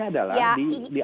intinya adalah di atas